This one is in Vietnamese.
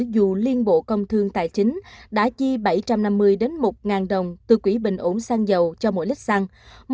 dù liên bộ công thương tài chính đã chi bảy trăm năm mươi một đồng từ quỹ bình ổn xăng dầu cho mỗi lít xăng